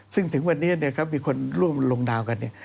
ซึ่งถึงวันนี้มีคนร่วมลงดาวกันเนี่ย